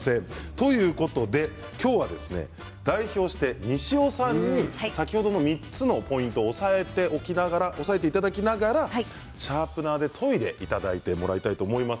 ということで今日は代表して西尾さんに先ほどの３つのポイントを押さえていただきながらシャープナーで研いでいただきたいと思います。